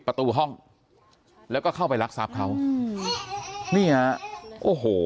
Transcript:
ประตูห้องแล้วก็เข้าไปรักทรัพย์เขาอืมนี่ฮะโอ้โห